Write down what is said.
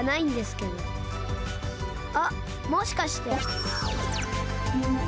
あっもしかして！